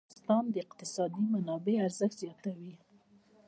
نمک د افغانستان د اقتصادي منابعو ارزښت زیاتوي.